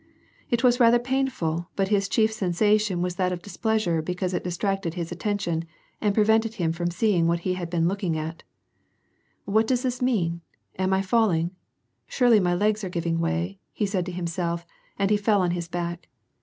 It was rather painful, but his chief sensation was that of displeasure because it distracted his attention, and prevented him from seeing what he had been looking at. " What does this mean ? Am I falling ? Surely my legs are giving way," he said to himself, and he fell on his back.